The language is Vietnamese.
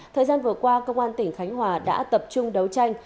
thời gian vừa qua công an tỉnh khánh hòa đã tập trung đấu tranh